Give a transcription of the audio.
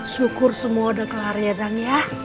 syukur semua udah kelar ya kang ya